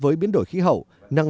với rất nhiều người làm việc dễ dàng